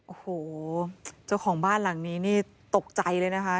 โอ้โหเจ้าของบ้านหลังนี้นี่ตกใจเลยนะคะ